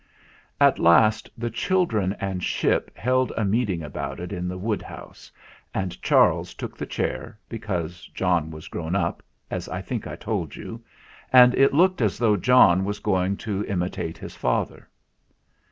At last the children and Ship held a meet ing about it in the wood house, and Charles took the chair, because John was grown up, as I think I told you, and it looked as though John was going to imitate his father.